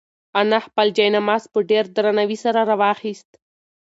انا خپل جاینماز په ډېر درناوي سره راواخیست.